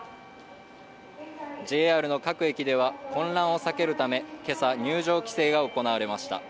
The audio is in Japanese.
ＪＲの各駅では混乱を避けるため今朝、入場規制が行われました。